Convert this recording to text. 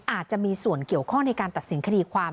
อาจจะมีส่วนเกี่ยวข้องในการตัดสินคดีความ